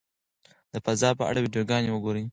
د فضا په اړه ویډیوګانې وګورئ.